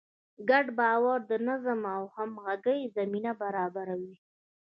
ګډ باور د نظم او همغږۍ زمینه برابروي.